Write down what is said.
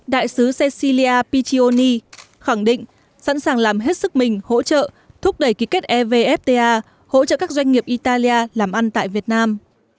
đại sứ cecilia pichioni khẳng định sẵn sàng làm hết sức mình hỗ trợ thúc đẩy ký kết evfta hỗ trợ các doanh nghiệp italia làm ăn tại việt nam